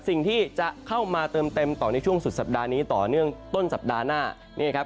สิ่งที่จะเข้ามาเติมเต็มต่อในช่วงสุดสัปดาห์นี้ต่อเนื่องต้นสัปดาห์หน้านี่ครับ